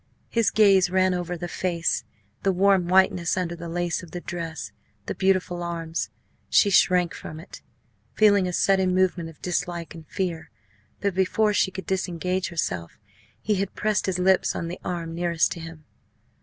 His gaze ran over the face, the warm whiteness under the lace of the dress, the beautiful arms. She shrank from it feeling a sudden movement of dislike and fear; but before she could disengage herself he had pressed his lips on the arm nearest to him.